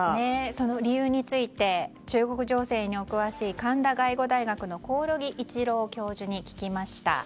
その理由について中国情勢にお詳しい神田外語大学の興梠一郎教授に聞きました。